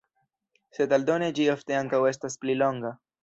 Sed aldone ĝi ofte ankaŭ estas pli longa.